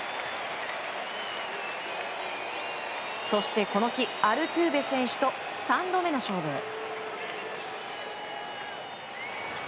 そしてこの日アルトゥーベ選手と３度目の勝負。